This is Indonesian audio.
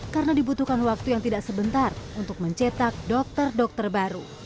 karena dibutuhkan waktu yang tidak sebentar untuk mencetak dokter dokter baru